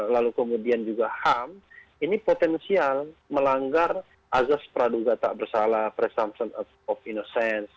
lalu kemudian juga ham ini potensial melanggar azas praduga tak bersalah presumption of innocense